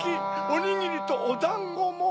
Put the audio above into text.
おにぎりとおだんごも。